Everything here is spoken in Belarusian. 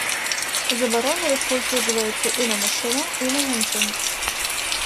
Забарона распаўсюджваецца і на мужчынаў, і на жанчын.